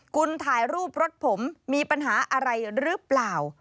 คุณถ่ายรูปรถผมมีปัญหาอะไรหรือเปล่า